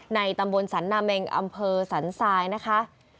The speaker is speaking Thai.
ในตำบลสรรนาเมงอำเภอสรรสายนะคะ